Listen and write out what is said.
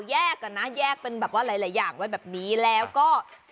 แยกกันนะแยกเป็นแบบว่าหลายอย่างไว้แบบนี้แล้วก็